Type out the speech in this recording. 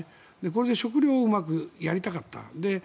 これで食糧をうまくやりたかった。